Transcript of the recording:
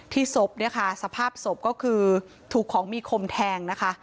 ศพเนี่ยค่ะสภาพศพก็คือถูกของมีคมแทงนะคะ